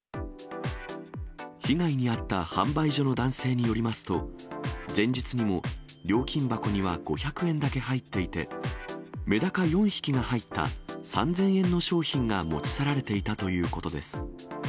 被害に遭った販売所の男性によりますと、前日にも、料金箱には５００円だけ入っていて、メダカ４匹が入った３０００円の商品が持ち去られていたということです。